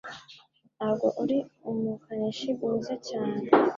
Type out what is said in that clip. Ntabwo uri umukanishi mwiza cyane